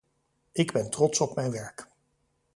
Ik ben trots op mijn werk.